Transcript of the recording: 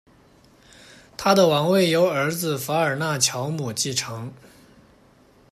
他的王位由儿子法尔纳乔姆继承。